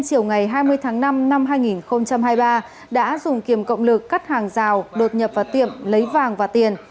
chiều ngày hai mươi tháng năm năm hai nghìn hai mươi ba đã dùng kiềm cộng lực cắt hàng rào đột nhập vào tiệm lấy vàng và tiền